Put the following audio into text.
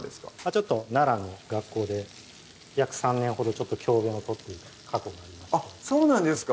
ちょっと奈良の学校で約３年ほどちょっと教鞭を執っていた過去がありましてあっそうなんですか？